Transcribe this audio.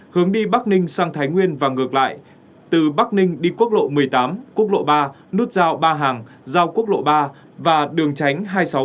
hướng đi bắc ninh sang thái nguyên và ngược lại từ bắc ninh đi quốc lộ một mươi tám quốc lộ ba nút giao ba hàng giao quốc lộ ba và đường tránh hai trăm sáu mươi bảy